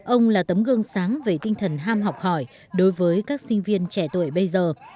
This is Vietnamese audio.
ông là tấm gương sáng về tinh thần ham học hỏi đối với các sinh viên trẻ tuổi bây giờ